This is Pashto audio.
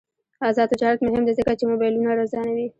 آزاد تجارت مهم دی ځکه چې موبایلونه ارزانوي.